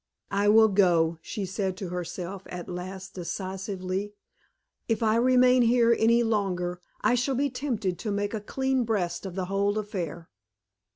"I will go," she said to herself, at last, decisively. "If I remain here any longer, I shall be tempted to make a clean breast of the whole affair."